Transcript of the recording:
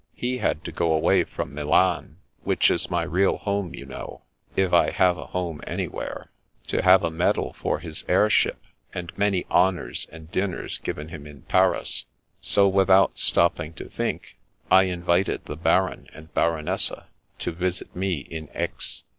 He had to go away from Milan, which is my real home, you know — (if I have a home ansnvhere) — to have a medal for his air ship, and many honours and dinners given him in Paris ; so, with out stopping to think, I invited the Baron and Baronessa to yisit me in Aix.